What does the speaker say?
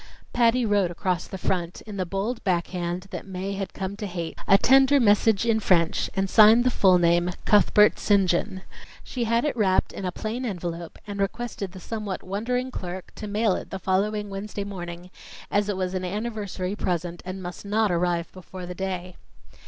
Patty wrote across the front, in the bold back hand that Mae had come to hate, a tender message in French, and signed the full name, "Cuthbert St. John." She had it wrapped in a plain envelope and requested the somewhat wondering clerk to mail it the following Wednesday morning, as it was an anniversary present and must not arrive before the day.